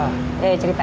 ya udah cerita